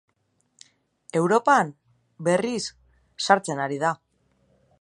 Europan, berriz, sartzen ari da.